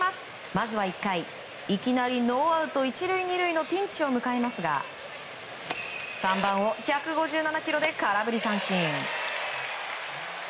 まず１回、いきなりノーアウト１塁２塁のピンチを迎えますが３番を１５７キロで空振り三振。